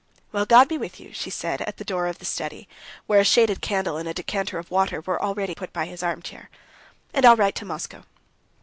"Well, God be with you," she said at the door of the study, where a shaded candle and a decanter of water were already put by his armchair. "And I'll write to Moscow."